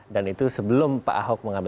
dan itu sebelum pak ahok mengambil